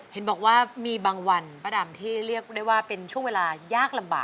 เห็นบอกว่ามีบางวันป้าดำที่เรียกได้ว่าเป็นช่วงเวลายากลำบาก